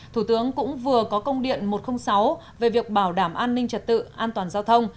thủ tướng cũng vừa có công điện một trăm linh sáu về việc bảo đảm an ninh trật tự an toàn giao thông